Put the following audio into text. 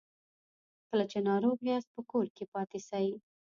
کله چې ناروغ یاست په کور کې پاتې سئ